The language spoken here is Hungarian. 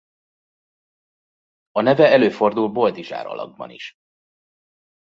A neve előfordul Boldizsár alakban is.